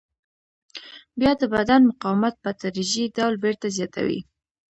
بیا د بدن مقاومت په تدریجي ډول بېرته زیاتوي.